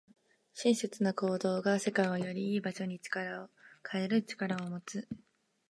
親切な行動が、世界をより良い場所に変える力を持っています。